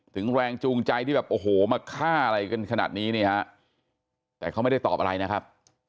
แรงจูงใจที่แบบโอ้โหมาฆ่าอะไรกันขนาดนี้นี่ฮะแต่เขาไม่ได้ตอบอะไรนะครับ